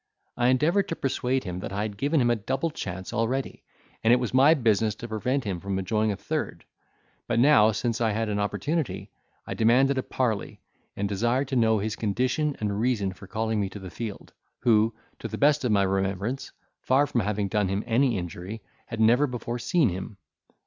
I endeavoured to persuade him that I had given him a double chance already: and it was my business to prevent him from enjoying a third; but now, since I had an opportunity, I demanded a parley, and desired to know his condition and reason for calling me to the field, who, to the best of my remembrance, far from having done him any injury, had never before seen him.